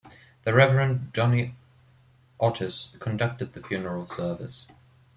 The Reverend Johnny Otis conducted the funeral service.